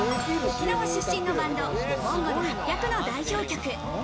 沖縄出身のバンドＭＯＮＧＯＬ８００の代表曲。